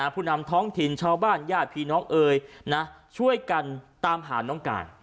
ผู้นำท้องถิ่นชาวบ้านญาติพี่น้องเอ๋ยนะช่วยกันตามหาน้องการ